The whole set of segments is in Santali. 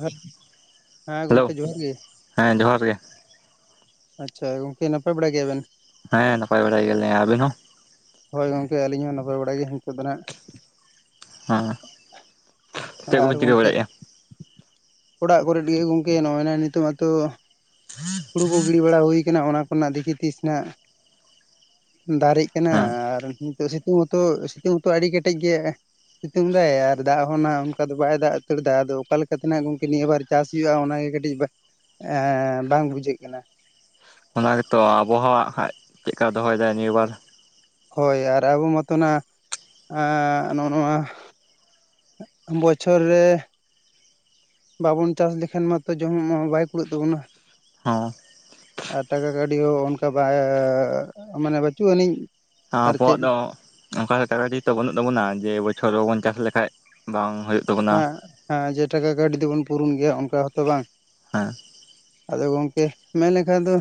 ᱦᱮᱞᱳ ᱦᱮᱸ ᱦᱮᱞᱳ ᱜᱚᱝᱠᱮ ᱡᱚᱦᱟᱨ ᱜᱮ। ᱦᱮᱸ ᱡᱚᱦᱟᱨ ᱜᱮ। ᱟᱪᱪᱷᱟ ᱜᱚᱝᱠᱮ ᱱᱟᱯᱟᱭ ᱵᱟᱲᱟ ᱜᱮᱭᱟᱵᱮᱱ? ᱦᱮᱸ ᱱᱟᱯᱟᱭ ᱵᱟᱲᱟ ᱜᱮᱭᱟᱞᱮ ᱟᱵᱤᱱ ᱦᱚᱸ ᱦᱳᱭ ᱜᱚᱝᱠᱮ ᱟᱹᱞᱤᱧ ᱦᱚᱸ ᱱᱟᱯᱟᱭ ᱵᱟᱲᱟ ᱜᱮ ᱱᱤᱛᱚᱜ ᱫᱚ ᱱᱟᱜ ᱦᱮᱸ ᱪᱮᱫ ᱟᱨ ᱠᱚᱵᱤᱱ ᱪᱤᱠᱟᱹ ᱜᱚᱝᱠᱮ ᱵᱟᱲᱟᱭᱮᱫᱼᱟ ᱚᱲᱟᱜ ᱠᱚᱨᱮ ᱰᱤᱭᱟᱹ ᱜᱚᱝᱠᱮ ᱱᱚᱜᱼᱚᱭ ᱱᱟᱜ ᱱᱤᱛᱚᱜ ᱢᱟᱛᱚ ᱦᱩᱲᱩ ᱠᱚ ᱜᱤᱰᱤ ᱵᱟᱲᱟ ᱦᱩᱭ ᱠᱟᱱᱟ ᱚᱱᱟ ᱠᱚᱨᱮᱱᱟᱜ ᱫᱮᱠᱷᱤ ᱛᱤᱥ ᱱᱟᱜ ᱫᱟᱨᱮᱜ ᱠᱟᱱᱟ ᱦᱮᱸ ᱟᱨ ᱱᱤᱛᱚᱜ ᱥᱤᱛᱩᱝ ᱦᱚᱸᱛᱚ ᱥᱤᱛᱩᱝ ᱦᱚᱸᱛᱚ ᱟᱹᱰᱤ ᱠᱮᱴᱮᱡ ᱜᱮ, ᱥᱤᱛᱩᱝ ᱫᱟᱭ ᱟᱨ ᱫᱟᱜ ᱦᱚᱸ ᱱᱟᱜ ᱚᱱᱠᱟ ᱫᱚ ᱵᱟᱭ ᱫᱟᱜ ᱩᱛᱟᱹᱨ ᱫᱟ ᱟᱫᱚ ᱚᱠᱟ ᱞᱮᱠᱟᱛᱮ ᱱᱟᱜ ᱜᱚᱢᱠᱮ ᱱᱤᱭᱟᱹ ᱵᱟᱨ ᱪᱟᱥ ᱦᱩᱭᱩᱜᱼᱟ ᱚᱱᱟᱜᱮ ᱠᱟᱹᱴᱤᱡ ᱮᱻ ᱵᱟᱝ ᱵᱩᱡᱷᱟᱹᱜ ᱠᱟᱱᱟ। ᱚᱱᱟ ᱜᱮᱛᱚ ᱟᱵᱚᱦᱟᱣᱟ ᱦᱟᱸᱜ ᱠᱷᱟᱡ ᱪᱮᱫᱠᱟ ᱫᱚᱦᱚᱭ ᱫᱟᱭ ᱱᱤᱭᱟᱹ ᱵᱟᱨ ᱦᱳᱭ ᱟᱨ ᱟᱵᱚ ᱢᱟᱚᱛᱚᱱᱟᱜ ᱮᱸ ᱱᱚᱜᱼᱚᱭ ᱱᱚᱣᱟ ᱵᱚᱪᱷᱚᱨ ᱨᱮ ᱵᱟᱵᱚᱱ ᱪᱟᱥ ᱞᱮᱠᱷᱟᱱ ᱢᱟᱛᱚ ᱡᱚᱢ ᱢᱟ ᱵᱟᱭ ᱠᱩᱲᱟᱹᱜ ᱛᱟᱵᱚᱱᱟ। ᱦᱚᱸ ᱟᱨ ᱴᱟᱠᱟ ᱠᱟᱹᱣᱰᱤ ᱦᱚᱸ ᱚᱱᱠᱟ ᱵᱟᱻ ᱢᱟᱱᱮ ᱵᱟᱹᱪᱩᱜ ᱟᱹᱱᱤᱡ ᱟᱨ ᱟᱵᱚᱣᱟᱜ ᱪᱮᱫ ᱫᱚ ᱚᱱᱠᱟ ᱴᱟᱠᱟ ᱠᱟᱹᱣᱰᱤ ᱛᱚ ᱵᱟᱹᱱᱩᱜ ᱛᱟᱵᱚᱱᱟ ᱡᱮ ᱵᱚᱪᱷᱚᱨ ᱵᱟᱵᱚᱱ ᱪᱟᱥ ᱞᱮᱠᱷᱟᱡ ᱵᱟᱝ ᱦᱩᱭᱩᱜ ᱛᱟᱵᱚᱱᱟ ᱦᱮᱸ ᱦᱮᱸ ᱡᱮ ᱴᱟᱠᱟ ᱠᱟᱹᱣᱰᱤ ᱛᱮᱵᱚᱱ ᱯᱩᱨᱩᱱ ᱜᱮᱭᱟ ᱚᱱᱠᱟ ᱦᱚᱸᱛᱚ ᱵᱟᱝ ᱦᱮᱸ ᱟᱫᱚ ᱜᱚᱝᱠᱮ ᱢᱮᱱ ᱞᱮᱠᱷᱟᱱ ᱫᱚ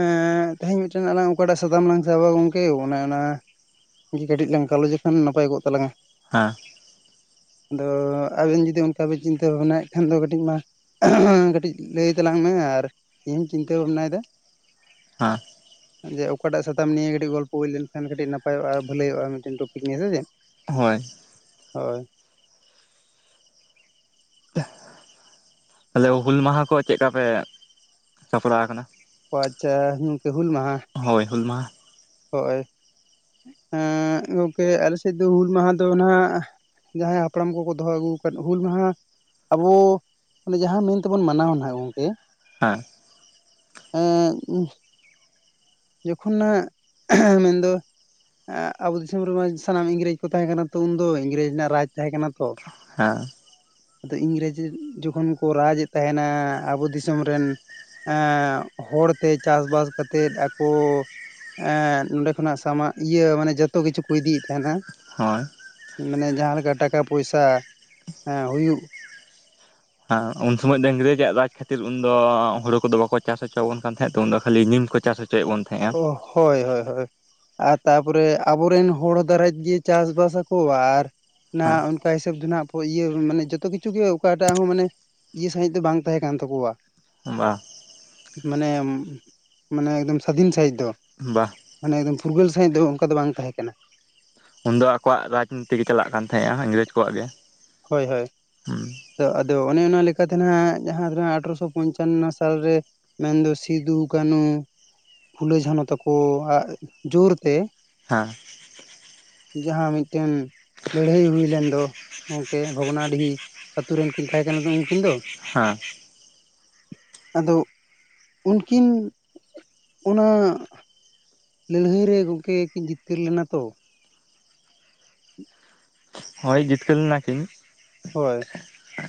ᱮᱸ ᱛᱮᱦᱮᱧ ᱢᱤᱫᱴᱮᱱ ᱟᱞᱟᱝ ᱚᱠᱟᱴᱟᱜ ᱥᱟᱛᱟᱢ ᱞᱟᱝ ᱥᱟᱵᱟ ᱜᱚᱝᱠᱮ ᱚᱱᱮ ᱚᱱᱟ ᱡᱮ ᱠᱟᱹᱴᱤᱡ ᱞᱟᱝ ᱜᱟᱞᱚᱪ ᱞᱮᱠᱷᱟᱱ ᱱᱟᱯᱟᱭ ᱠᱚᱜ ᱛᱟᱞᱟᱝᱼᱟ ᱦᱮᱸ ᱟᱫᱚ ᱟᱵᱤᱱ ᱡᱩᱫᱤ ᱚᱱᱠᱟ ᱵᱤᱱ ᱪᱤᱱᱛᱟᱹ ᱵᱷᱟᱵᱽᱱᱟᱭᱮᱫ ᱠᱷᱟᱱ ᱫᱚ ᱠᱟᱹᱴᱤᱡ ᱢᱟ ᱚ ᱦᱚᱸᱦᱚ ᱠᱟᱹᱴᱤᱡ ᱞᱟᱹᱭ ᱛᱟᱞᱟᱝ ᱢᱮ ᱟᱨ ᱤᱧ ᱪᱤᱱᱛᱟᱹ ᱵᱷᱟᱵᱽᱱᱟᱭᱮᱫᱟ ᱦᱮᱸ ᱡᱮ ᱚᱠᱟᱴᱟᱜ ᱥᱟᱛᱟᱢ ᱱᱤᱭᱮ ᱠᱟᱹᱴᱤᱡ ᱜᱚᱞᱯᱚ ᱦᱩᱭ ᱞᱮᱱᱠᱷᱟᱱ ᱠᱟᱹᱴᱤᱡ ᱱᱟᱯᱟᱭᱚᱜᱼᱟ ᱵᱷᱟᱹᱞᱟᱹᱭ ᱦᱩᱭᱩᱜᱼᱟ ᱢᱤᱫᱴᱮᱱ ᱴᱚᱯᱤᱠ ᱱᱤᱭᱮ ᱥᱮ ᱪᱮᱫ ᱦᱳᱭ ᱦᱳᱭ ᱛᱟᱞᱦᱮ ᱦᱩᱞ ᱢᱟᱦᱟ ᱠᱚ ᱪᱮᱫᱠᱟ ᱯᱮ ᱥᱟᱯᱲᱟᱣ ᱟᱠᱟᱱᱟᱱ? ᱚ ᱟᱪᱪᱷᱟ ᱤᱱᱠᱟᱹ ᱦᱩᱞ ᱢᱟᱦᱟ ᱦᱳᱭ ᱦᱩᱞ ᱢᱟᱦᱟ ᱦᱳᱭ। ᱮᱸᱜ ᱜᱚᱝᱠᱮ ᱟᱞᱮ ᱥᱮᱫ ᱫᱚ ᱦᱩᱞ ᱢᱟᱦᱟ ᱫᱚ ᱱᱟᱦᱟᱜ ᱡᱟᱦᱟᱸᱭ ᱦᱟᱯᱲᱟᱢ ᱠᱚᱠᱚ ᱫᱚᱦᱚ ᱟᱹᱜᱩ ᱟᱠᱟᱫ ᱦᱩᱞ ᱢᱟᱦᱟ ᱟᱵᱚ ᱚᱱᱮ ᱡᱟᱦᱟᱸ ᱢᱮᱱᱛᱮᱵᱚᱱ ᱢᱟᱱᱟᱣᱟ ᱱᱟᱦᱟᱜ ᱜᱚᱝᱠᱮ ᱦᱮᱸ ᱮᱸᱜ ᱡᱚᱠᱷᱚᱱᱟᱜ ᱦᱮᱸ ᱢᱮᱱᱫᱚ ᱮᱸᱜ ᱟᱵᱚ ᱫᱤᱥᱚᱢ ᱨᱮᱢᱟ ᱥᱟᱱᱟᱢ ᱤᱝᱨᱮᱡᱽ ᱠᱚ ᱛᱟᱦᱮᱸ ᱠᱟᱱᱟ ᱛᱚ ᱩᱱᱫᱚ ᱤᱝᱨᱮᱡᱽ ᱨᱮᱱᱟᱜ ᱨᱟᱡᱽ ᱛᱟᱦᱮᱸ ᱠᱟᱱᱟ ᱛᱚ ᱦᱮᱸ ᱟᱫᱚ ᱤᱝᱨᱮᱡ ᱡᱚᱠᱷᱚᱱ ᱠᱚ ᱨᱟᱡᱽᱮᱫ ᱛᱟᱦᱮᱱᱟ ᱟᱵᱚ ᱫᱤᱥᱚᱢ ᱨᱮᱱ ᱮᱸᱜ ᱦᱚᱲᱛᱮ ᱪᱟᱥᱵᱟᱥ ᱠᱟᱛᱮᱫ ᱟᱠᱚ ᱮᱸᱜ ᱱᱚᱰᱮ ᱠᱷᱚᱱᱟᱜ ᱥᱟᱢᱟᱜ ᱤᱭᱟᱹ ᱢᱟᱱᱮ ᱡᱚᱛᱚ ᱠᱤᱪᱷᱩ ᱠᱚ ᱤᱫᱤᱭᱮᱫ ᱛᱟᱦᱮᱱᱟ ᱦᱳᱭ ᱢᱟᱱᱮ ᱡᱟᱦᱟᱸ ᱞᱮᱠᱟ ᱴᱟᱠᱟ ᱯᱚᱭᱥᱟᱸ ᱦᱩᱭᱩᱜ ᱦᱮ ᱩᱱ ᱥᱩᱢᱟᱹᱡ ᱫᱚ ᱤᱝᱨᱮᱡ ᱟᱜ ᱨᱟᱡ ᱠᱷᱟᱹᱛᱤᱨ ᱩᱱ ᱫᱚ ᱦᱳᱲᱳ ᱠᱚᱫᱚ ᱵᱟᱠᱚ ᱪᱟᱥ ᱦᱚᱪᱚᱵᱚᱱ ᱠᱟᱱ ᱛᱟᱦᱮᱸᱫ ᱩᱱ ᱫᱚ ᱠᱷᱟᱹᱞᱤ ᱱᱤᱞ ᱠᱚ ᱪᱟᱥ ᱦᱚᱪᱚᱭᱮᱜ ᱵᱚᱱ ᱛᱟᱦᱮᱸᱜᱼᱟ ᱚ ᱦᱳᱭ ᱦᱳᱭ ᱦᱳᱭ ᱟᱨ ᱛᱟᱯᱚᱨᱮ ᱟᱵᱚᱨᱮᱱ ᱦᱚᱲ ᱫᱟᱨᱟᱭ ᱜᱮ ᱪᱟᱥ ᱵᱟᱥ ᱟᱠᱚ ᱟᱨ ᱚᱱᱟ ᱦᱮᱸ ᱚᱱᱠᱟ ᱦᱤᱥᱟᱹᱵ ᱫᱚ ᱱᱟᱜ ᱤᱭᱟᱹ ᱢᱟᱱᱮ ᱡᱚᱛᱚ ᱠᱤᱪᱷᱩ ᱜᱮ ᱚᱠᱟᱴᱟᱜ ᱦᱚᱸ ᱢᱟᱱᱮ ᱤᱭᱟᱹ ᱥᱟᱺᱦᱤᱡ ᱫᱚ ᱵᱟᱝ ᱛᱟᱦᱮᱸ ᱠᱟᱱ ᱛᱟᱠᱚᱣᱟ ᱵᱟ ᱢᱟᱱᱮ, ᱢᱟᱱᱮ ᱮᱠᱫᱚᱢ ᱥᱟᱫᱷᱤᱱ ᱥᱟᱺᱦᱤᱡ ᱫᱚ ᱵᱟᱜ ᱢᱟᱱᱮ ᱮᱠᱚᱢ ᱯᱷᱩᱨᱜᱟᱹᱞ ᱥᱟᱺᱦᱤᱡ ᱫᱚ ᱚᱝᱠᱟ ᱫᱚ ᱵᱟᱝ ᱛᱟᱦᱮᱸ ᱠᱟᱱᱟ ᱩᱱᱫᱚ ᱟᱠᱚᱣᱟᱜ ᱨᱟᱡᱽᱱᱤᱛᱤ ᱜᱮ ᱪᱟᱞᱟᱜ ᱠᱟᱱ ᱛᱟᱦᱮᱸᱜᱼᱟ ᱤᱝᱨᱮᱡᱽ ᱠᱚᱣᱟᱜ ᱜᱮ ᱦᱳᱭ ᱦᱳᱭ ᱦᱩᱸ ᱛᱚ ᱟᱫᱚ ᱚᱱᱮ ᱚᱱᱟ ᱞᱮᱠᱟᱛᱮ ᱱᱟᱜ ᱡᱟᱦᱟᱸ ᱫᱚᱱᱟᱜ ᱟᱴᱷᱨᱚᱥᱚ ᱯᱚᱧᱪᱟᱱᱚ ᱥᱟᱞᱨᱮ ᱢᱮᱱᱫᱚ ᱥᱤᱫᱩ ᱠᱟᱹᱱᱦᱩ ᱯᱷᱩᱞᱟᱹ ᱡᱷᱟᱱᱚ ᱛᱟᱠᱚᱣᱟᱜ ᱡᱳᱨ ᱛᱮ ᱦᱮᱸ ᱡᱟᱦᱟᱸ ᱢᱤᱫᱴᱮᱱ ᱞᱟᱹᱲᱦᱟᱹᱭ ᱦᱩᱭᱞᱮᱱ ᱫᱚ ᱜᱚᱢᱠᱮ ᱵᱷᱚᱜᱱᱟᱰᱤᱦᱤ ᱟᱛᱩ ᱨᱮᱱ ᱠᱤᱱ ᱛᱟᱦᱮᱸ ᱠᱟᱱᱟ ᱩᱱᱠᱤᱱ ᱫᱚ ᱦᱮᱸ ᱟᱫᱚ, ᱩᱱᱠᱤᱱ, ᱚᱱᱟ ᱞᱟᱹᱲᱦᱟᱹᱭ ᱨᱮ ᱜᱚᱢᱠᱮ ᱠᱤᱱ ᱡᱤᱛᱠᱟᱹᱨ ᱞᱮᱱᱟ ᱛᱚ [unintelligible] ᱦᱳᱭ ᱡᱤᱛᱠᱟᱹᱨ ᱞᱮᱱᱟ ᱠᱤᱱ ᱦᱳᱭ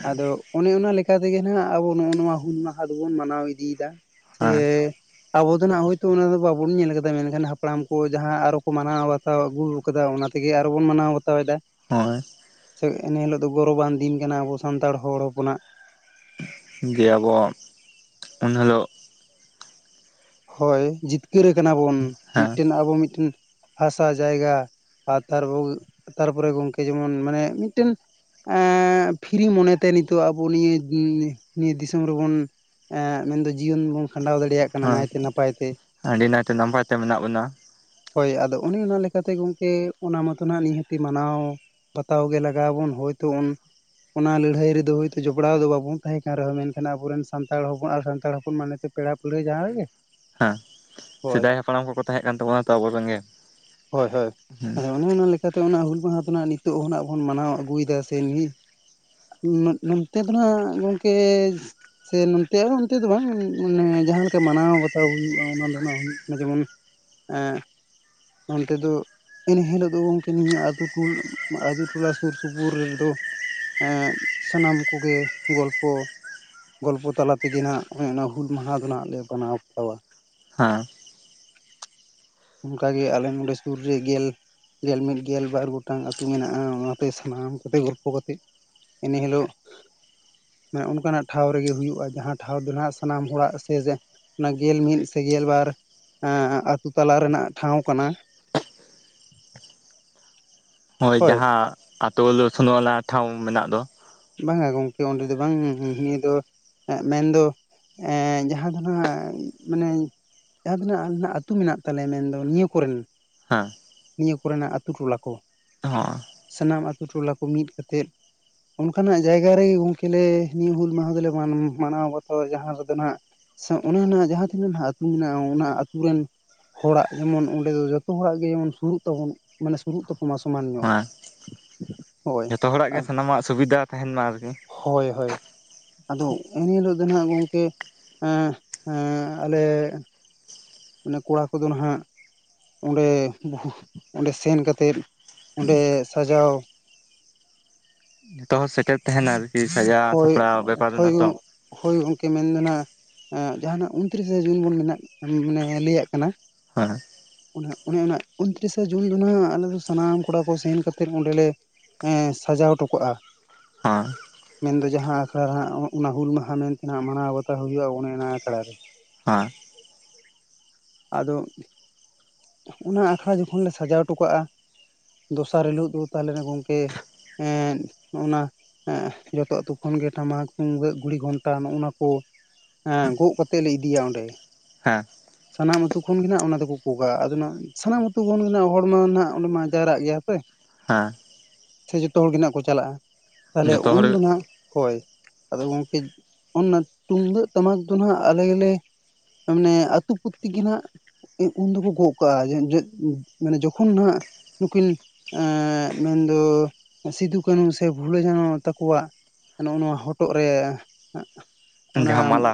ᱟᱫᱚ ᱚᱱᱮ ᱚᱱᱟ ᱞᱮᱠᱟ ᱛᱮᱜᱮ ᱱᱟᱦᱟᱜ ᱟᱵᱚ ᱱᱚᱜᱼᱚ ᱱᱚᱣᱟ ᱦᱩᱞ ᱢᱟᱦᱟ ᱫᱚᱵᱚᱱ ᱢᱟᱱᱟᱣ ᱤᱫᱤᱭᱮᱫᱟ ᱥᱮ ᱦᱮᱸ ᱟᱵᱚ ᱫᱚ ᱱᱟᱜ ᱦᱳᱭᱛᱚ ᱚᱱᱟ ᱫᱚ ᱵᱟᱵᱚᱱ ᱧᱮᱞ ᱠᱟᱫᱟ ᱢᱮᱱᱠᱷᱟᱱ ᱦᱟᱯᱲᱟᱢ ᱠᱚ ᱡᱟᱦᱟᱸ ᱟᱨᱚ ᱠᱚ ᱢᱟᱱᱟᱣᱟ ᱛᱟᱣ ᱟᱹᱜᱩ ᱠᱟᱫᱟ ᱚᱱᱟ ᱛᱮᱜᱮ ᱟᱨᱚ ᱵᱚᱱ ᱢᱟᱱᱟᱣ ᱵᱟᱛᱟᱣᱮᱫᱟ ᱦᱳᱭ ᱥᱮ ᱮᱱ ᱦᱤᱞᱳᱜ ᱫᱚ ᱜᱚᱨᱚᱵᱟᱱ ᱫᱤᱱ ᱠᱟᱱᱟ ᱟᱵᱚ ᱥᱟᱱᱛᱟᱲ ᱦᱚᱲ ᱦᱚᱯᱚᱱᱟᱜ ᱡᱮ ᱟᱵᱚ ᱩᱱ ᱦᱤᱞᱚᱜ ᱦᱳᱭ ᱡᱤᱛᱠᱟᱹᱨ ᱠᱟᱱᱟ ᱵᱚᱱ ᱦᱮᱸ ᱢᱤᱫᱴᱮᱱ ᱟᱵᱚ ᱢᱤᱫᱴᱮᱱ ᱦᱟᱥᱟ ᱡᱟᱭᱜᱟ ᱟᱨ ᱛᱟᱨᱯᱚᱨᱮ ᱜᱚᱝᱠᱮ ᱡᱮᱢᱚᱱ ᱢᱟᱱᱮ ᱢᱤᱫᱴᱮᱱ ᱮᱜᱻ ᱯᱷᱤᱨᱤ ᱢᱚᱱᱮᱛᱮ ᱱᱤᱛᱚᱜ ᱟᱵᱚ ᱱᱤᱭᱟᱹ ᱱᱤᱭᱟᱹ ᱫᱤᱥᱚᱢ ᱨᱮᱵᱚᱱ ᱮᱜᱻ ᱢᱮᱱᱫᱚ ᱡᱤᱭᱚᱱ ᱵᱚᱱ ᱠᱷᱟᱸᱰᱟᱣ ᱫᱟᱲᱮᱭᱟᱜ ᱠᱟᱱᱟ ᱦᱮᱸ ᱱᱟᱭ ᱟᱹᱰᱤ ᱱᱟᱭᱛᱮ ᱱᱟᱯᱟᱭ ᱛᱮ ᱢᱮᱱᱟᱜ ᱵᱚᱱᱟ ᱦᱳᱭ ᱟᱫᱚ ᱚᱱᱮ ᱚᱱᱟ ᱞᱮᱠᱟᱛᱮ ᱜᱚᱝᱠᱮ ᱚᱱᱟ ᱢᱚᱛᱚ ᱦᱟᱸᱜ ᱱᱤᱦᱟᱹᱛᱤ ᱢᱟᱱᱟᱣ ᱵᱟᱛᱟᱣ ᱜᱮ ᱞᱟᱜᱟᱣ ᱟᱵᱚᱱ ᱦᱳᱭᱛᱳ ᱩᱱᱼ ᱚᱱᱟ ᱞᱟᱹᱲᱦᱟᱹᱭ ᱨᱮᱫᱚ ᱦᱳᱭᱛᱳ ᱡᱚᱯᱲᱟᱣ ᱫᱚ ᱵᱟᱵᱚᱱ ᱛᱟᱦᱮᱸ ᱠᱟᱱ ᱨᱮᱦᱚᱸ ᱢᱮᱱᱠᱷᱟᱱ ᱟᱵᱚᱨᱮᱱ ᱥᱟᱱᱛᱟᱲ ᱦᱚᱯᱚᱱ ᱟᱨ ᱥᱟᱱᱛᱟᱲ ᱦᱚᱯᱚᱱ ᱢᱟᱱᱮᱛᱮ ᱯᱮᱲᱟ ᱯᱟᱹᱲᱦᱟᱹ ᱡᱟᱦᱟ ᱜᱮ ᱦᱟᱸ ᱥᱮᱫᱟᱭ ᱦᱟᱯᱲᱟᱢ ᱠᱚᱠᱚ ᱛᱟᱦᱮᱸᱜ ᱠᱟᱱ ᱛᱟᱵᱚᱱᱟ ᱛᱚ ᱟᱵᱚ ᱨᱮᱱ ᱜᱮ ᱪᱤᱠᱟᱛᱮ ᱚᱱᱟ ᱦᱩᱞ ᱢᱟᱦᱟ ᱠᱷᱚᱱᱟᱜ ᱱᱤᱛᱚᱜ ᱦᱚᱱᱟᱜ ᱵᱚᱱ ᱢᱟᱱᱟᱣ ᱟᱹᱜᱩᱭᱫᱟ ᱥᱮ ᱱᱤᱛ ᱱᱚᱱᱛᱮ ᱫᱚ ᱱᱟᱜ ᱜᱚᱢᱠᱮ ᱥᱮ ᱱᱚᱱᱛᱮ ᱦᱚᱸ ᱚᱱᱛᱮ ᱫᱚ ᱵᱟᱝ ᱢᱟᱱᱮ ᱡᱟᱦᱟᱸ ᱞᱮᱠᱟ ᱢᱟᱱᱟᱣ ᱵᱟᱛ ᱟᱹᱣ ᱦᱩᱭᱩᱜᱼᱟ ᱚᱱᱟ ᱫᱚᱱᱟᱝ ᱡᱮᱢᱚᱱ ᱮᱸ ᱚᱱᱛᱮ ᱫᱚ ᱤᱱ ᱦᱤᱞᱳᱜ ᱫᱚ ᱜᱚᱝᱠᱮ ᱱᱤᱭᱟᱹ ᱟᱛᱩ ᱴᱩᱞ ᱟᱛᱩ ᱴᱚᱞᱟ ᱥᱩᱨ ᱥᱩᱯᱩᱨ ᱨᱮᱱᱫᱚ ᱮᱸ ᱥᱟᱱᱟᱢ ᱠᱚᱜᱮ ᱜᱚᱞᱯᱚ᱾ ᱜᱚᱞᱯᱷᱚ ᱛᱟᱞᱟ ᱛᱮᱜᱮ ᱱᱟᱦᱟᱸᱜ ᱦᱮᱸ ᱚᱱᱟ ᱦᱩᱞ ᱢᱟᱦᱟ ᱫᱚ ᱱᱟᱦᱟᱸᱜ ᱞᱮ ᱢᱟᱱᱟᱣ ᱵᱟᱛᱟᱣᱟ᱾ ᱦᱮᱸ ᱚᱱᱠᱟᱜᱮ ᱟᱞᱮ ᱱᱚᱸᱰᱮ ᱥᱩᱨ ᱨᱮ ᱜᱮᱞ ᱜᱮᱞ ᱢᱤᱫ ᱜᱮᱞ ᱵᱟᱨ ᱜᱚᱴᱟᱝ ᱟᱹᱛᱩ ᱢᱮᱱᱟᱜᱼᱟ, ᱚᱱᱟᱛᱮ ᱥᱟᱱᱟᱢ ᱠᱚᱛᱮ ᱜᱚᱞᱯᱷᱚ ᱠᱟᱛᱮᱫ ᱮᱱᱮ ᱦᱤᱞᱳᱜ ᱢᱟᱱᱮ ᱚᱱᱠᱟᱱᱟᱜ ᱴᱷᱟᱶ ᱨᱮᱜᱮ ᱦᱩᱭᱩᱜᱼᱟ ᱡᱟᱦᱟᱸ ᱴᱷᱟᱶ ᱫᱚ ᱱᱟᱦᱟᱸᱜ ᱥᱟᱱᱟᱢ ᱚᱲᱟᱜ ᱥᱮ ᱡᱮᱸ ᱚᱱᱟ ᱜᱮᱞ ᱢᱤᱫ ᱥᱮ ᱜᱮᱞ ᱵᱟᱨ ᱮᱸ ᱟᱹᱛᱩ ᱛᱟᱞᱟ ᱨᱮᱱᱟᱜ ᱴᱷᱟᱶ ᱠᱟᱱᱟ᱾ ᱦᱳᱭ ᱡᱟᱦᱟᱸ ᱟᱹᱛᱩ ᱞᱩᱥᱩᱱ ᱣᱟᱞᱟ ᱴᱷᱟᱶ ᱢᱮᱱᱟᱜ ᱫᱚ ᱵᱟᱝᱟ ᱜᱚᱢᱠᱮ ᱚᱸᱰᱮ ᱫᱚ ᱵᱟᱝ ᱱᱤᱭᱟᱹ ᱫᱚ ᱮᱸ ᱢᱮᱱᱫᱚ ᱮᱸ ᱡᱟᱦᱟᱸ ᱫᱷᱚ ᱱᱟᱦᱟᱸᱜ ᱢᱟᱱᱮ ᱡᱟᱦᱟᱸ ᱛᱤᱱᱟᱹᱜ ᱟᱞᱮᱱᱦᱟᱸᱜ ᱟᱹᱛᱩ ᱢᱮᱱᱟᱜ ᱛᱟᱞᱮ ᱢᱮᱱᱫᱚ ᱱᱤᱭᱟᱹ ᱠᱚᱨᱮᱱ ᱦᱮᱸ ᱱᱤᱭᱟᱹ ᱠᱚᱨᱮᱱᱟᱜ ᱟᱹᱛᱩ ᱴᱚᱞᱟ ᱠᱚ ᱚᱸᱦᱚᱸ [unintelligible] ᱥᱟᱱᱟᱢ ᱟᱹᱛᱩ ᱴᱚᱞᱟ ᱠᱚ ᱢᱤᱫ ᱠᱟᱛᱮᱫ ᱚᱱᱠᱟᱱᱟᱜ ᱡᱟᱭᱜᱟ ᱨᱮᱜᱮ ᱜᱚᱝᱠᱮ ᱞᱮ ᱱᱤᱭᱟᱹ ᱦᱩᱞ ᱢᱟᱦᱟ ᱫᱚᱞᱮ ᱢᱟᱱᱟᱣ ᱵᱟᱛᱟᱣᱟ ᱡᱟᱦᱟᱸ ᱨᱮᱫᱚ ᱱᱟᱦᱟᱸᱜ? ᱥᱮᱸ ᱚᱱᱮ ᱚᱱᱟ ᱡᱟᱦᱟᱸ ᱛᱤᱱᱟᱹᱜ ᱱᱟᱦᱟᱸᱜ ᱟᱹᱛᱩ ᱢᱮᱱᱟᱜᱼᱟ ᱚᱱᱟ ᱟᱹᱛᱩ ᱨᱮᱱ ᱦᱚᱲᱟᱜ ᱡᱮᱢᱚᱱ ᱚᱸᱰᱮ ᱫᱚ ᱡᱚᱛᱚ ᱦᱚᱲᱟᱜ ᱜᱮ ᱮᱢᱚᱱ ᱥᱩᱨᱩᱜ ᱛᱟᱵᱚᱱ ᱢᱟᱱᱮ ᱥᱩᱨᱩᱜ ᱛᱟᱠᱚ ᱢᱟ ᱥᱚᱢᱟᱱ ᱧᱚᱜ ᱦᱮᱸ ᱦᱳᱭ ᱡᱚᱛᱚ ᱦᱚᱲᱟᱜ ᱜᱮ ᱟᱨ ᱥᱟᱱᱟᱢᱟᱜ ᱥᱩᱵᱤᱫᱷᱟ ᱢᱟ ᱟᱨᱠᱤ ᱦᱳᱭ ᱦᱳᱭ ᱟᱫᱚ ᱩᱱᱦᱤᱞᱳᱜ ᱫᱚ ᱱᱟᱦᱟᱸᱜ ᱜᱚᱝᱠᱮ ᱮᱸᱦ ᱮᱸ ᱟᱞᱮ ᱢᱟᱱᱮ ᱠᱚᱲᱟ ᱠᱚᱫᱚ ᱱᱟᱦᱟᱸᱜ ᱚᱸᱰᱮ ᱚᱸᱰᱮ ᱥᱮᱱ ᱠᱟᱛᱮᱫ ᱚᱸᱰᱮ ᱥᱟᱡᱟᱣ ᱡᱚᱛᱚ ᱦᱚᱲ ᱥᱮᱴᱮᱨ ᱛᱟᱦᱮᱱᱟ ᱟᱨᱠᱤ ᱥᱟᱡᱟᱣ ᱦᱳᱭ ᱥᱟᱯᱲᱟᱣ ᱵᱮᱯᱟᱨ ᱦᱳᱭ ᱢᱮᱱᱟᱜᱼᱟ ᱛᱚ᱾ ᱦᱳᱭ ᱜᱚᱢᱠᱮ ᱢᱮᱱ ᱫᱚ ᱱᱟᱦᱟᱸᱜ ᱡᱟᱦᱟᱸᱱᱟᱜ ᱩᱱᱛᱨᱤ ᱥᱮ ᱡᱩᱱ ᱵᱚᱱ ᱢᱮᱱᱟᱜ ᱠᱟᱱ ᱢᱟᱱᱮ ᱞᱟᱹᱭᱟᱜ ᱠᱟᱱᱟ᱾ ᱦᱳᱭ [inaudible] ᱚᱱᱟᱦᱟᱸᱜ ᱚᱱᱟ ᱩᱱᱛᱨᱤᱥᱮ ᱡᱩᱱ ᱫᱚ ᱱᱟᱦᱟᱸᱜ ᱟᱞᱮ ᱫᱚ ᱥᱟᱱᱟᱢ ᱠᱚᱲᱟ ᱠᱚ ᱥᱮᱱ ᱠᱟᱛᱮᱫ ᱚᱸᱰᱮ ᱞᱮ ᱮᱸ ᱥᱟᱡᱟᱣ ᱴᱚᱠᱟᱜᱼᱟ᱾ ᱦᱟᱸ [unintelligible] ᱢᱮᱱᱫᱚ ᱡᱟᱦᱟᱸ ᱟᱠᱷᱲᱟ ᱨᱮ ᱦᱟᱸᱜ ᱚᱱᱟ ᱦᱩᱞ ᱢᱟᱦᱟ ᱢᱮᱱᱛᱮᱱᱟᱜ ᱢᱟᱱᱟᱣ ᱵᱟᱛᱟᱣ ᱦᱩᱭᱩᱜᱼᱟ ᱚᱱᱮ ᱚᱱᱟ ᱟᱠᱷᱲᱟ ᱨᱮ ᱟᱸᱭ [unintelligible] ᱟᱫᱚ ᱚᱱᱟ ᱟᱠᱷᱲᱟ ᱡᱚᱠᱷᱚᱱ ᱞᱮ ᱥᱟᱡᱟᱣ ᱴᱚᱠᱟᱜᱼᱟ᱾ ᱫᱚᱥᱟᱨ ᱦᱤᱞᱳᱜ ᱫᱚ ᱛᱟᱞᱮᱱ ᱜᱚᱝᱠᱮ ᱮᱸ ᱱᱚᱭᱱᱟ ᱮᱸ ᱡᱚᱛᱚ ᱟᱹᱛᱩ ᱠᱷᱚᱱ ᱜᱮ ᱴᱟᱢᱟᱠ ᱛᱩᱢᱫᱟᱹᱜ ᱜᱩᱲᱤ ᱜᱷᱚᱱᱴᱟ ᱱᱚᱜᱼᱚᱭ ᱱᱟ ᱠᱚ ᱮᱸ ᱜᱚᱜ ᱠᱟᱛᱮ ᱞᱮ ᱤᱫᱤᱭᱟ ᱚᱸᱰᱮ ᱦᱮᱸ [unintelligible] ᱥᱟᱱᱟᱢ ᱟᱹᱛᱩ ᱠᱷᱚᱱ ᱜᱮ ᱱᱟᱦᱟᱸᱜ ᱚᱱᱟ ᱫᱚᱠᱚ ᱜᱚᱜᱟ ᱟᱫᱚ ᱚᱱᱟ ᱥᱟᱱᱟᱢ ᱟᱹᱛᱩ ᱠᱷᱚᱱ ᱜᱮ ᱱᱦᱟᱸᱜ ᱦᱚᱲᱢᱟ ᱱᱦᱟᱸᱜ ᱚᱸᱰᱮ ᱢᱟ ᱡᱟᱣᱨᱟᱜ ᱜᱮᱭᱟ ᱥᱮ ᱦᱮᱸ ᱥᱮ ᱡᱚᱛᱚ ᱦᱚᱲ ᱜᱮ ᱱᱟᱦᱟᱸᱜ ᱠᱚ ᱪᱟᱞᱟᱜᱼᱟ ᱛᱟᱦᱞᱮ ᱡᱚᱛᱚ ᱦᱚᱲ ᱦᱳᱭ ᱟᱫᱚ ᱜᱚᱝᱠᱮ ᱚᱱᱟ ᱛᱩᱢᱫᱟᱹᱜ ᱴᱟᱢᱟᱠ ᱫᱚ ᱱᱟᱦᱟᱸᱜ ᱟᱞᱮ ᱜᱮᱞᱮ ᱢᱟᱱᱮ ᱟᱹᱛᱩ ᱯᱩᱛ ᱛᱤ ᱜᱮ ᱱᱷᱟᱜ ᱩᱱ ᱫᱚᱠᱚ ᱜᱚᱜ ᱠᱟᱜᱼᱟ ᱡᱚ, ᱢᱟᱱᱮ ᱡᱚᱠᱷᱚᱱ ᱱᱷᱟᱜ ᱱᱩᱠᱤᱱ ᱮᱸᱜ, ᱢᱮᱱᱫᱚ ᱥᱤᱫᱩ ᱠᱟᱹᱱᱦᱩ ᱥᱮ ᱵᱷᱩᱞᱚ ᱡᱷᱟᱱᱚ ᱛᱟᱠᱚᱣᱟᱜ, ᱱᱚᱜ ᱱᱚᱣᱟ ᱦᱚᱴᱚᱜ ᱨᱮ ᱦᱟᱸᱜ ᱚᱱᱟ ᱡᱟᱦᱟᱸ ᱢᱟᱞᱟ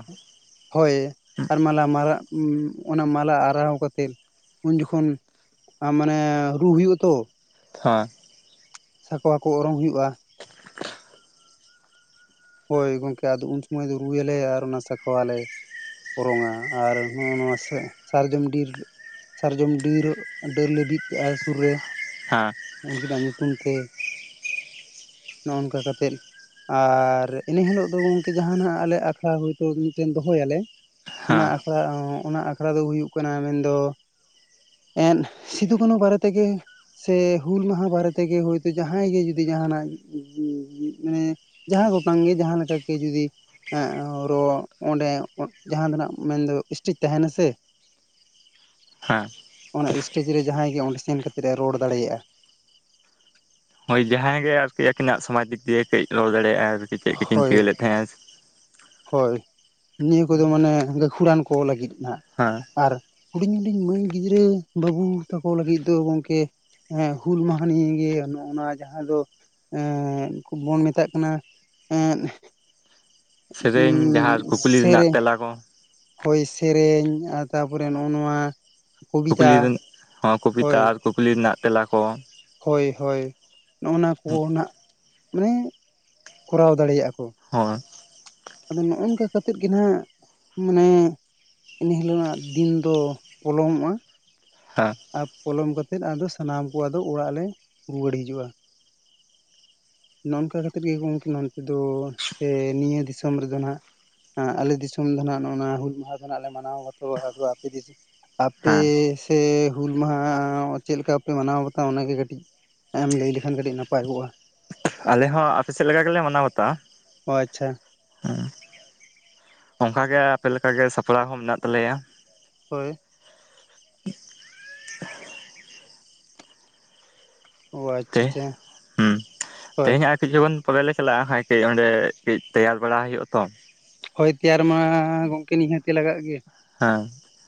ᱦᱚᱭ ᱟᱨ ᱢᱟᱞᱟ ᱢᱟᱨᱟᱜ ᱚᱱᱟ ᱢᱟᱞᱟ ᱟᱨᱟᱣ ᱠᱟᱛᱮᱱ ᱩᱱ ᱡᱚᱠᱷᱚᱱ ᱢᱟᱱᱮ ᱨᱩ ᱦᱩᱭᱩᱜ ᱟᱛᱚ, ᱦᱟᱸ ᱾ ᱥᱟᱠᱣᱟ ᱠᱚ ᱚᱨᱚᱝ ᱦᱩᱭᱩᱜᱼᱟ ᱾ ᱦᱚᱭ ᱜᱚᱝᱠᱮ ᱟᱫᱚ ᱩᱱ ᱥᱩᱢᱚᱭ ᱫᱚ ᱨᱩᱭᱟᱞᱮ ᱟᱨ ᱚᱱᱟ ᱥᱟᱠᱣᱟᱞᱮ ᱚᱨᱚᱝᱟ ᱟᱨ ᱱᱚᱜᱼᱱᱚᱣᱟ ᱥᱮ ᱥᱟᱨᱡᱚᱢ ᱰᱤᱨ ᱥᱟᱨᱡᱚᱢ ᱰᱤᱨ, ᱰᱟᱹᱨ ᱞᱮ ᱵᱤᱫ ᱠᱟᱜᱼᱟ ᱥᱩᱨ ᱨᱮ ᱦᱟᱸ ᱾ ᱩᱱᱠᱤᱱᱟᱜ ᱧᱩᱛᱩᱢ ᱛᱮ ᱱᱚᱜ ᱱᱚᱝᱠᱟ ᱠᱟᱛᱮᱫ ᱟᱨ ᱤᱱᱟᱹ ᱦᱤᱞᱚᱜ ᱫᱚ ᱜᱚᱝᱠᱮ ᱡᱟᱦᱟᱸ ᱱᱷᱟᱜ ᱟᱞᱮ ᱟᱠᱷᱲᱟ ᱦᱚᱭᱛᱚ ᱢᱤᱫᱴᱮᱱ ᱫᱚᱦᱚᱭᱟᱞᱮ ᱚᱱᱟ ᱦᱮᱸ ᱟᱠᱷᱲᱟ ᱚᱱᱟ ᱟᱠᱷᱲᱟ ᱫᱚ ᱦᱩᱭᱩᱜ ᱠᱟᱱᱟ ᱢᱮᱱ ᱫᱚ ᱮᱸᱫ ᱥᱤᱫᱩ ᱠᱟᱱᱩ ᱵᱟᱨᱮ ᱛᱮᱜᱮ ᱥᱮ ᱦᱩᱞ ᱢᱟᱦᱟ ᱵᱟᱨᱮ ᱛᱮᱜᱮ ᱦᱚᱭᱛᱚ ᱡᱟᱦᱟᱸᱭ ᱜᱮ ᱡᱩᱫᱤ ᱡᱟᱦᱟᱸᱱᱟᱜ ᱢᱟᱱᱮ ᱡᱟᱦᱟᱸ ᱜᱚᱴᱟᱝ ᱜᱮ ᱡᱟᱦᱟᱸ ᱞᱮᱠᱟ ᱜᱮ ᱡᱩᱫᱤ ᱮᱸᱜ ᱚ ᱨᱚ ᱚᱸᱰᱮ ᱡᱟᱦᱟᱸ ᱫᱚ ᱱᱟᱜ ᱢᱮᱱᱫᱚ ᱤᱥᱴᱮᱡ ᱛᱟᱦᱮᱸᱱᱟ ᱥᱮ ᱦᱮᱸ ᱚᱱᱟ ᱤᱥᱴᱮᱡ ᱨᱮ ᱡᱟᱦᱟᱸᱭ ᱜᱮ ᱚᱸᱰᱮ ᱥᱮᱱ ᱠᱟᱛᱮᱫ ᱮ ᱨᱚᱲ ᱫᱟᱲᱮᱭᱟᱜᱼᱟ ᱾ ᱦᱚᱭ ᱡᱟᱦᱟᱸᱭ ᱜᱮ ᱟᱨᱠᱤ ᱟᱹᱠᱤᱱᱟᱜ ᱥᱚᱢᱟᱡᱽ ᱤᱫᱤ ᱠᱟᱹᱡ ᱨᱚᱲ ᱫᱟᱲᱮᱭᱟᱜᱼᱟ ᱟᱨᱠᱤ ᱪᱮᱫ ᱠᱚᱠᱤᱱ ᱪᱤᱠᱟᱹ ᱞᱮᱫ ᱛᱟᱦᱮᱸᱜᱼᱟ ᱾ ᱦᱚᱭ ᱱᱤᱭᱟᱹ ᱠᱚᱫᱚ ᱢᱟᱱᱮ ᱜᱟᱹᱠᱷᱩᱲᱟᱱ ᱠᱚ ᱞᱟᱹᱜᱤᱫ ᱱᱷᱟᱜ ᱦᱮᱸ ᱟᱨ ᱦᱩᱰᱤᱧ ᱦᱩᱰᱤᱧ ᱢᱟᱹᱭ ᱜᱤᱫᱽᱨᱟᱹ ᱵᱟᱹᱵᱩ ᱛᱟᱠᱚ ᱞᱟᱹᱜᱤᱫ ᱫᱚ ᱜᱚᱝᱠᱮ ᱮᱸ ᱦᱩᱞ ᱢᱟᱦᱟ ᱱᱤᱭᱮ ᱜᱮ ᱱᱚᱜ ᱱᱚᱣᱟ ᱡᱟᱦᱟᱸ ᱫᱚ ᱮ ᱵᱚᱱ ᱢᱮᱛᱟᱜ ᱠᱟᱱᱟ ᱮᱸᱫ ᱾ ᱥᱮᱨᱮᱧ ᱡᱟᱦᱟᱸ ᱠᱩᱠᱞᱤ ᱨᱮᱱᱟᱜ ᱛᱮᱞᱟ ᱠᱚ ᱦᱚᱭ ᱥᱮᱨᱮᱧ ᱟᱨ ᱛᱟᱨᱯᱚᱨᱮ ᱱᱚᱜ ᱱᱚᱣᱟ ᱠᱚᱵᱤᱛᱟ ᱠᱩᱠᱞᱤ ᱾ ᱨᱮᱱᱟᱜ ᱦᱚᱸ ᱠᱚᱵᱤᱛᱟ ᱟᱨ ᱠᱩᱠᱞᱤ ᱨᱮᱱᱟᱜ ᱛᱮᱞᱟ ᱠᱚ ᱾ ᱦᱚᱭ ᱦᱚᱭ ᱱᱚᱜᱱᱟ ᱠᱚ ᱱᱷᱟᱜ ᱢᱟᱱᱮ ᱠᱚᱨᱟᱣ ᱫᱟᱲᱮᱭᱟᱜ ᱟᱠᱚ ᱾ ᱦᱚᱭ ᱾ ᱟᱫᱚ ᱱᱚᱜ ᱚᱝᱠᱟ ᱠᱟᱛᱮᱫ ᱜᱮ ᱱᱷᱟᱜ ᱢᱟᱱᱮ ᱤᱱᱟᱹ ᱦᱤᱞᱚᱱᱟᱜ ᱫᱤᱱ ᱫᱚ ᱯᱚᱞᱚᱢᱚᱜᱼᱟ ᱾ ᱦᱟ ᱾ ᱟᱨ ᱯᱚᱞᱚᱢ ᱠᱟᱛᱮᱫ ᱟᱫᱚ ᱥᱟᱱᱟᱢ ᱠᱚ ᱟᱫᱚ ᱚᱲᱟᱜ ᱞᱮ ᱨᱩᱣᱟᱹᱲ ᱦᱤᱡᱩᱜᱼᱟ ᱾ ᱱᱚᱜ ᱚᱝᱠᱟ ᱠᱟᱛᱮᱫ ᱜᱮ ᱜᱚᱝᱠᱮ ᱱᱚᱱᱛᱮ ᱫᱚ ᱥᱮ ᱱᱤᱭᱟᱹ ᱫᱤᱥᱚᱢ ᱨᱮᱫᱚ ᱱᱟᱜ ᱟᱞᱮ ᱫᱤᱥᱚᱢ ᱫᱚ ᱱᱟᱜ ᱱᱚᱣᱟ ᱦᱩᱞ ᱢᱟᱦᱟ ᱫᱚ ᱱᱟᱜ ᱞᱮ ᱢᱟᱱᱟᱣ ᱵᱟᱛᱟᱣᱟ ᱟᱫᱚ ᱟᱯᱮ ᱫᱤᱥᱚᱢ ᱟᱯᱮ ᱦᱮᱸ ᱥᱮ ᱦᱩᱞ ᱢᱟᱦᱟ ᱪᱮᱫ ᱞᱮᱠᱟ ᱯᱮ ᱢᱟᱱᱟᱣ ᱵᱟᱛᱟᱣᱟ ᱚᱱᱟᱜᱮ ᱠᱟᱹᱴᱤᱡ ᱮᱢ ᱞᱟᱹᱭ ᱞᱮᱠᱷᱟᱱ ᱠᱟᱹᱴᱤᱡ ᱱᱟᱯᱟᱭ ᱠᱚᱜᱼᱟ ᱾ ᱟᱞᱮ ᱦᱚᱸ ᱟᱯᱮᱥᱮᱫ ᱞᱮᱠᱟ ᱜᱮᱞᱮ ᱢᱟᱱᱟᱣ ᱵᱟᱛᱟᱣᱟ ᱾ ᱚ ᱟᱪᱪᱷᱟ ᱾ ᱦᱩ, ᱚᱝᱠᱟ ᱜᱮ ᱟᱯᱮ ᱞᱮᱠᱟ ᱜᱮ ᱥᱟᱯᱲᱟᱣ ᱦᱚᱸ ᱢᱮᱱᱟᱜ ᱛᱟᱞᱮᱭᱟ ᱾ ᱦᱚᱭ ᱾ ᱚ ᱟᱪᱪᱷᱟ ᱛᱮ ᱟᱪᱪᱷᱟ ᱦᱩᱸ ᱦᱳᱭ ᱛᱮᱦᱮᱸᱧᱟᱜ [unintelligible] ᱡᱩᱣᱟ. ᱱ ᱯᱚᱨᱮ ᱞᱮ ᱪᱟᱞᱟᱜᱼᱟ ᱦᱟᱜ ᱠᱟᱹᱡ ᱚᱸᱰᱮ ᱠᱟᱹᱡ ᱛᱮᱭᱟᱨ ᱵᱟᱲᱟ ᱦᱩᱭᱩᱜᱼᱟ ᱛᱚ ᱾ ᱦᱚᱭ ᱛᱮᱭᱟᱨ ᱢᱟ ᱜᱚᱝᱠᱮ ᱱᱤᱦᱟᱹᱛᱤ ᱞᱟᱜᱟᱜ ᱜᱮᱭᱟ ᱾ ᱦᱟᱸ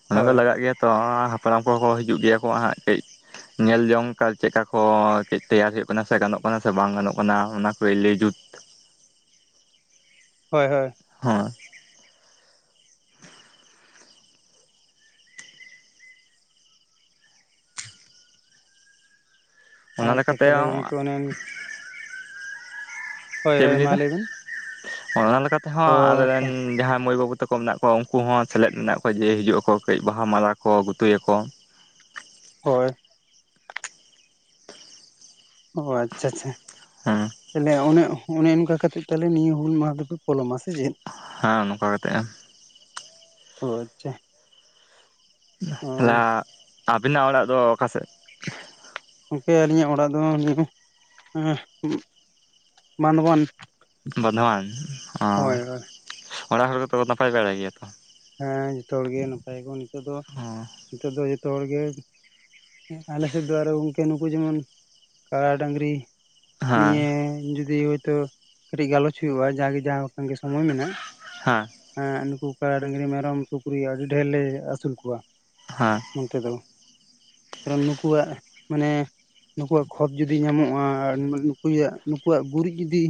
ᱚᱱᱟ ᱫᱚ ᱞᱟᱜᱟᱜ ᱜᱮᱭᱟ ᱛᱚ ᱦᱟᱯᱲᱟᱢ ᱠᱚᱦᱚᱸ ᱠᱚ ᱦᱤᱡᱩᱜ ᱜᱮᱭᱟ ᱠᱚ ᱦᱟᱸᱜ ᱠᱟᱹᱡ ᱧᱮᱞ ᱡᱚᱝ ᱠᱟ ᱪᱮᱠᱟ ᱠᱚ ᱛᱮᱭᱟᱨ ᱦᱩᱭᱩᱜ ᱠᱟᱱᱟ ᱥᱮ ᱜᱟᱱᱚᱜ ᱠᱟᱱᱟ ᱥᱮ ᱵᱟᱝ ᱜᱟᱱᱚᱜ ᱠᱟᱱᱟ ᱚᱱᱟ ᱠᱚᱭ ᱞᱟᱹᱭ ᱡᱩᱛ ᱦᱳᱭ ᱦᱳᱭ ᱦᱚᱸ ᱚᱱᱟ ᱟᱪᱪᱷᱟ ᱞᱮᱠᱟᱛᱮ ᱛᱟᱦᱚᱞᱮ ᱜᱚᱝᱠᱮ ᱚᱱᱮ ᱦᱳᱭ ᱪᱮᱫ ᱦᱳᱭ ᱵᱤᱱ ᱢᱟ ᱞᱟᱹᱭᱮᱫᱟ ᱞᱟᱹᱭ ᱵᱮᱱ ᱦᱚᱭ ᱚᱱᱟ ᱛᱮᱦᱚᱸ ᱚ ᱟᱞᱮᱨᱮᱱ ᱡᱟᱦᱟᱸᱭ ᱢᱟᱹᱭ ᱵᱟᱹᱵᱩ ᱛᱟᱠᱚ ᱢᱮᱱᱟᱜ ᱠᱚᱣᱟ ᱩᱱᱠᱩ ᱦᱚᱸ ᱥᱮᱞᱮᱫ ᱢᱮᱱᱟᱜ ᱠᱚᱣᱟ ᱡᱮ ᱦᱤᱡᱩᱜ ᱟᱠᱚ ᱠᱟᱹᱡ ᱵᱟᱦᱟ ᱢᱟᱞᱟ ᱠᱚ ᱜᱩᱛᱩᱭᱟ ᱠᱚ ᱦᱚᱭ ᱚ ᱟᱪᱪᱷᱟ ᱟᱪᱪᱷᱟ ᱦᱮᱸ ᱛᱟᱦᱚᱞᱮ ᱚᱱᱮ ᱚᱱᱮ ᱚᱱᱠᱟ ᱠᱟᱛᱮᱫ ᱛᱟᱦᱞᱮ ᱱᱤᱭᱟᱹ ᱦᱩᱞ ᱢᱟᱦᱟ ᱫᱚᱯᱮ ᱯᱚᱞᱚᱢᱟ ᱥᱮ ᱪᱮᱫ ᱦᱟᱸ ᱱᱚᱝᱠᱟ ᱠᱟᱛᱮᱜ ᱚ ᱟᱪᱷᱟ ᱦᱮᱞᱟ ᱟᱵᱤᱱᱟᱜ ᱚᱲᱟᱜ ᱫᱚ ᱚᱠᱟ ᱥᱮᱫ ᱜᱚᱝᱠᱮ ᱟᱹᱞᱤᱧᱟᱜ ᱚᱲᱟᱜ ᱫᱚ ᱱᱤᱭᱟᱹ ᱟᱸ ᱵᱟᱸᱫᱷᱣᱟᱱ ᱵᱟᱫᱷᱣᱟᱱ ᱚ ᱦᱳᱭ ᱦᱳᱭ ᱚᱱᱟᱲ ᱦᱚᱲ ᱫᱚᱯᱮ ᱱᱟᱯᱟᱭ ᱵᱟᱲᱟ ᱜᱮᱭᱟ ᱛᱚ ᱦᱮᱸ ᱡᱚᱛᱚ ᱦᱚᱲᱜᱮ ᱱᱟᱯᱟᱭᱜᱚ ᱱᱤᱛᱚᱜ ᱫᱚ ᱚ ᱱᱤᱛᱚᱜ ᱫᱚ ᱡᱚᱛᱚ ᱦᱚᱲᱜᱮ ᱟᱞᱮ ᱥᱮᱫ ᱫᱚ ᱟᱨᱚ ᱜᱚᱝᱠᱮ ᱱᱩᱠᱩ ᱡᱮᱢᱚᱱ ᱠᱟᱲᱟ ᱰᱟᱝᱨᱤ ᱦᱮᱸ ᱱᱤᱭᱟᱹ ᱡᱩᱫᱤ ᱦᱳᱭᱛᱚ ᱠᱟᱹᱴᱤᱡ ᱜᱟᱞᱚᱪ ᱦᱩᱭᱩᱜᱼᱟ ᱡᱟᱜᱮ ᱡᱟᱦᱟᱸ ᱥᱟᱜᱮ ᱥᱚᱢᱚᱭ ᱢᱮᱱᱟᱜᱼᱟ ᱦᱮᱸ ᱟᱸ ᱱᱩᱠᱩ ᱠᱟ ᱰᱟᱹᱝᱨᱤ ᱢᱮᱨᱚᱢ ᱥᱩᱠᱨᱤ ᱟᱹᱰᱤ ᱰᱷᱮᱨ ᱞᱮ ᱟᱹᱥᱩᱞ ᱠᱚᱣᱟ ᱦᱟᱸ ᱱᱚᱱᱛᱮ ᱫᱚ ᱵᱚᱨᱚᱢ ᱱᱩᱠᱩᱣᱟᱜ ᱢᱟᱱᱮ ᱱᱩᱠᱩᱣᱟᱜ ᱠᱷᱚᱛ ᱡᱩᱫᱤ ᱧᱟᱢᱚᱜᱼᱟ ᱟᱨ ᱱᱩᱠᱩᱭᱟᱜ ᱱᱩᱠᱩᱣᱟᱜ ᱜᱩᱨᱤᱡ ᱡᱩᱫᱤ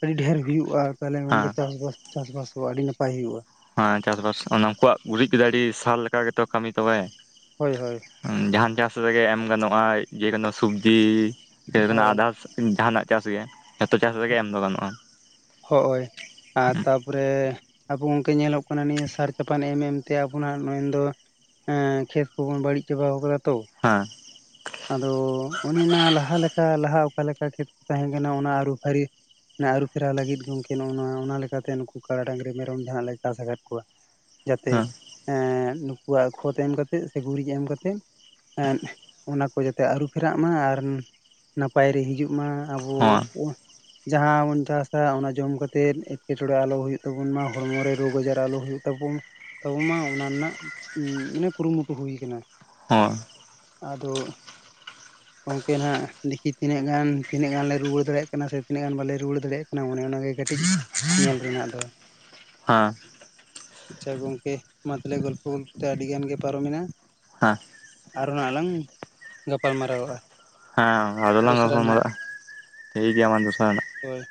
ᱟᱹᱰᱤ ᱰᱷᱮᱨ ᱦᱩᱭᱩᱜᱼᱟ ᱛᱟᱦᱚᱞᱮ ᱜᱚᱝᱠᱮ ᱦᱮᱸ ᱪᱟᱥᱵᱟᱥ ᱪᱟᱥᱵᱟᱥ ᱫᱚᱸ ᱟᱹᱰᱤ ᱱᱟᱯᱟᱭ ᱦᱩᱭᱩᱜᱼᱟ ᱦᱟᱭ ᱪᱟᱥ ᱵᱟᱥ ᱚᱱᱟ ᱩᱱᱠᱩᱣᱟᱜ ᱜᱩᱨᱤᱡ ᱠᱮᱫᱟ ᱟᱹᱰᱤ ᱥᱟᱞ ᱞᱮᱠᱟ ᱜᱮᱛᱚ ᱠᱟᱹᱢᱤ ᱛᱚᱵᱮ ᱦᱚᱭ ᱦᱚᱭ ᱡᱟᱦᱟᱱ ᱪᱟᱥ ᱨᱮᱜᱮ ᱮᱢ ᱜᱟᱱᱚᱜᱼᱟ ᱡᱮ ᱠᱳᱱᱳ ᱥᱩᱵᱡᱤ ᱦᱳᱭ [unintelligible] ᱡᱟᱦᱟᱱᱟᱜ ᱪᱟᱥ ᱜᱮ ᱡᱚᱛᱚ ᱪᱟᱥ ᱨᱮᱜᱮ ᱮᱢ ᱫᱚ ᱜᱟᱱᱚᱜᱼᱟ ᱦᱚᱜ ᱚᱭ ᱟᱨ ᱛᱟ ᱯᱚᱨᱮ ᱟᱵᱚ ᱜᱚᱝᱠᱮ ᱧᱮᱞᱚᱜ ᱠᱟᱱᱟ ᱱᱤᱭᱟᱹ ᱥᱟᱨ ᱠᱟᱯᱟᱱ ᱮᱢ ᱮᱢᱛᱮ ᱟᱵᱚ ᱱᱚᱜ ᱢᱮᱱᱫᱚ ᱮᱸ ᱠᱷᱮᱛ ᱠᱚᱵᱚᱱ ᱵᱟᱹᱲᱤᱡ ᱪᱟᱵᱟᱣ ᱟᱠᱟᱫᱟ ᱛᱚ ᱦᱮᱸ ᱟᱫᱚ ᱚᱱᱮ ᱱᱟ ᱞᱟᱦᱟ ᱞᱮᱠᱟ ᱞᱟᱦᱟ ᱚᱠᱟᱞᱮᱠᱟ ᱠᱷᱮᱛ ᱠᱚ ᱛᱟᱦᱮᱸ ᱠᱟᱱᱟ ᱚᱱᱟ ᱟᱹᱨᱩ ᱯᱷᱟᱹᱨᱤ ᱱᱟ ᱟᱹᱨᱩ ᱯᱷᱮᱨᱟᱣ ᱞᱟᱹᱜᱤᱫ ᱜᱚᱝᱠᱮ ᱱᱚᱜ ᱱᱚᱣᱟ ᱚᱱᱟ ᱞᱮᱠᱟᱛᱮ ᱱᱩᱠᱩ ᱠᱟᱲᱟ ᱰᱟᱝᱨᱤ ᱢᱮᱨᱚᱢ ᱡᱟᱸᱦᱟ ᱞᱮ ᱪᱟᱥ ᱟᱠᱟᱫ ᱠᱚᱣᱟ ᱡᱟᱛᱮ ᱦᱮᱸ ᱮᱸᱫ ᱱᱩᱠᱩᱣᱟᱜ ᱠᱷᱚᱛ ᱮᱢ ᱠᱟᱛᱮᱜ ᱥᱮ ᱜᱩᱨᱤᱡ ᱮᱢ ᱠᱟᱛᱮ ᱮᱸᱫ ᱚᱱᱟ ᱠᱚ ᱡᱚᱛᱮ ᱟᱹᱨᱩ ᱯᱷᱮᱨᱟᱜ ᱢᱟ ᱟᱨ ᱱᱟᱯᱟᱭ ᱨᱮ ᱦᱤᱡᱩᱜ ᱢᱟ ᱟᱵᱚ ᱦᱚᱸ ᱵᱚ ᱡᱟᱦᱟᱸ ᱵᱚᱱ ᱪᱟᱥᱟ ᱚᱱᱟ ᱡᱚᱢ ᱠᱟᱛᱮᱫ ᱮᱴᱠᱮᱴᱚᱬᱮ ᱟᱞᱚ ᱦᱩᱭᱩᱜ ᱛᱟᱵᱚᱱ ᱢᱟ ᱦᱚᱲᱢᱚ ᱨᱮ ᱨᱚ ᱵᱟᱡᱟᱨ ᱟᱞᱚ ᱦᱩᱭᱩᱜ ᱛᱟᱵᱚᱱ ᱛᱟᱵᱚ ᱢᱟ ᱚᱱᱟ ᱱᱟᱜ ᱤᱱᱟᱹ ᱠᱩᱨᱩᱢᱩᱴᱩ ᱦᱩᱭᱠᱟᱱᱟ ᱦᱚᱸ ᱟᱫᱚ ᱜᱚᱝᱠᱮ ᱱᱟᱜ ᱫᱮᱠᱤ ᱛᱤᱱᱟᱹᱜ ᱜᱟᱱ ᱛᱤᱱᱟᱹᱜ ᱜᱟᱱ ᱱᱷᱟᱜ ᱞᱮ ᱨᱩᱣᱟᱹᱲ ᱫᱟᱲᱮᱭᱟᱜ ᱠᱟᱱᱟ ᱥᱮ ᱛᱤᱱᱟᱹᱜ ᱜᱟᱱ ᱵᱟᱞᱮ ᱨᱩᱣᱟᱹᱲ ᱫᱟᱲᱮᱭᱟᱜ ᱠᱟᱱᱟ ᱚᱱᱮ ᱚᱱᱟ ᱜᱮ ᱠᱟᱹᱴᱤᱡ ᱧᱮᱞ ᱨᱮᱱᱟᱜ ᱫᱚ ᱦᱟᱸ ᱟᱪᱷᱟ ᱜᱚᱝᱠᱮ ᱢᱟ ᱛᱟᱦᱞᱮ ᱜᱚᱞᱯᱷᱚ ᱜᱚᱞᱯᱷᱚ ᱛᱮ ᱟᱹᱰᱤ ᱜᱟᱱ ᱜᱮ ᱯᱟᱨᱚᱢᱮᱱᱟ ᱦᱮᱸ ᱟᱨᱚ ᱦᱟᱱᱟᱜ ᱞᱟᱝ ᱜᱟᱯᱟᱞ ᱢᱟᱨᱟᱣ ᱼ ᱟ᱾ ᱦᱟᱸ ᱟᱫᱚᱞᱟᱝ ᱜᱟᱯᱟᱞ ᱢᱟᱨᱟᱜ ᱼ ᱟ᱾ ᱴᱷᱤᱠ ᱜᱮᱭᱟ ᱢᱟ ᱫᱩ ᱦᱳᱭ